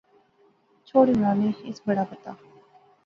چھوڑ عمرانے، اس بڑا پتہ